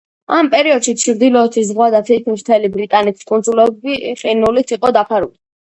ამ პერიოდში ჩრდილოეთის ზღვა და თითქმის მთელი ბრიტანეთის კუნძულები ყინულით იყო დაფარული.